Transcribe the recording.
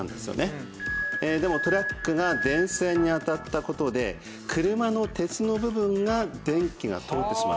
でもトラックが電線に当たった事で車の鉄の部分が電気が通ってしまったと。